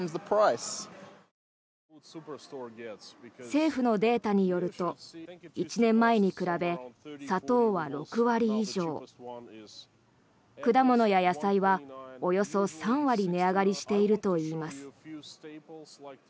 政府のデータによると１年前に比べ、砂糖は６割以上果物や野菜は、およそ３割値上がりしているといいます。